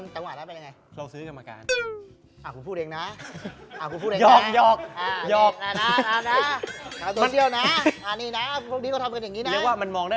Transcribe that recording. จังหวะนั้นเป็นยังไง